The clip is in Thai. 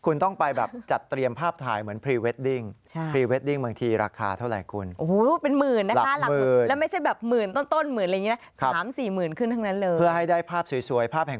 คุณต้องไปแบบจัดเตรียมภาพถ่ายเหมือนพรีเวดดิ้ง